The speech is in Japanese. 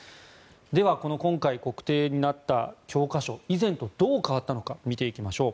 では今回、国定になった教科書以前とどう変わったのかを見ていきましょう。